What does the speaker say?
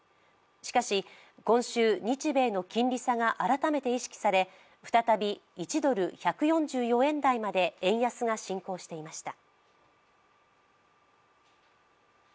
しかし、今週、日米の金利差が改めて意識され再び１ドル＝１４４円台まで円安が進行していました。